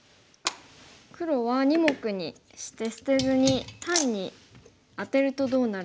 黒は２目にして捨てずに単にアテるとどうなるんでしょうか。